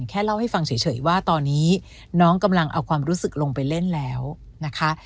แค่เล่าให้ฟังเฉยว่าตอนนี้น้องกำลังเอาความรู้สึกลงไปเล่นแล้วนะคะ